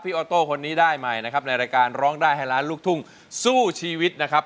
ออโต้คนนี้ได้ใหม่นะครับในรายการร้องได้ให้ล้านลูกทุ่งสู้ชีวิตนะครับ